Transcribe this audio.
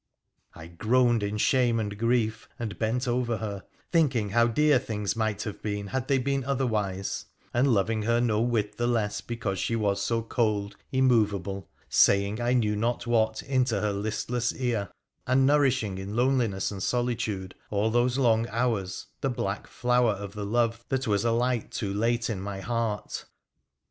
I groaned in shame and grief, and bent over her, thinking how dear things might have been had they been otherwise, and loving her no whit the less because she was so cold, immovable, say ing I know not what into her listless ear, and nourishing in loneliness and solitude, all those long hours, the black flower of the love that was alight too late in my heart.